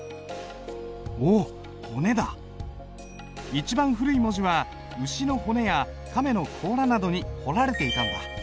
一番古い文字は牛の骨や亀の甲羅などに彫られていたんだ。